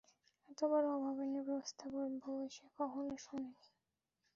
এতবড়ো অভাবনীয় প্রস্তাব ওর বয়সে কখনো শোনে নি।